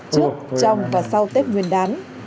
trước trong và sau tết mùa